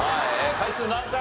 回数何回？